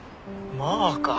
まああか。